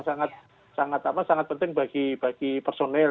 ini yang sangat penting bagi personel